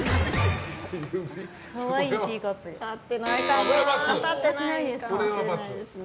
立ってないかもしれないですね。